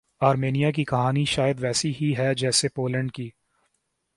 Armenia کی کہانی شاید ویسےہی ہے جیسے پولینڈ کی